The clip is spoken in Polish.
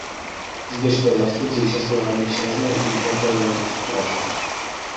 "Zbyszko zawstydził się słowami księżnej i począł ją przepraszać."